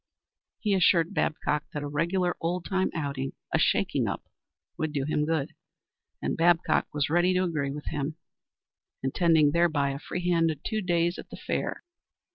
He assured Babcock that a regular old time outing a shaking up would do him good, and Babcock was ready to agree with him, intending thereby a free handed two days at the fair.